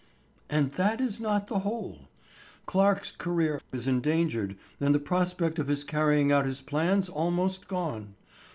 "And that is not the whole. Clarke's career is endangered and the prospect of his carrying out his plans almost gone.